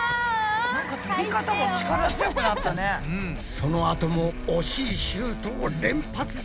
そのあとも惜しいシュートを連発だ。